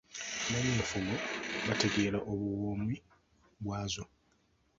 Abamanyi enfumo, bategeera obuwoomu bwazo.